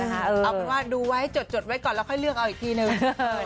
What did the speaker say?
เอาเป็นว่าดูไว้จดไว้ก่อนแล้วค่อยเลือกเอาอีกทีนึง